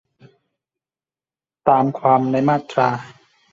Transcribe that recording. ตามความในมาตรา